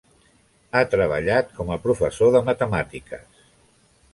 Ha treballat com a professor de matemàtiques.